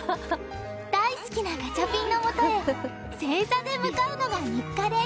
大好きなガチャピンのもとへ正座で向かうのが日課です。